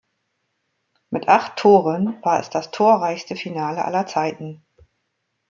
Mit acht Toren war es das torreichste Finale aller Zeiten.